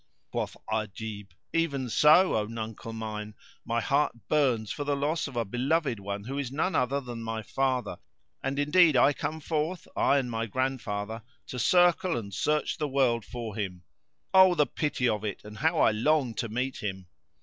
Quoth Ajib, "Even so, O nuncle mine; my heart burns for the loss of a beloved one who is none other than my father; and indeed I come forth, I and my grandfather, [FN#459] to circle and search the world for him. Oh, the pity of it, and how I long to meet him!"